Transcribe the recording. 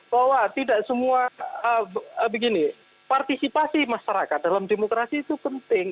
bahwa tidak semua begini partisipasi masyarakat dalam demokrasi itu penting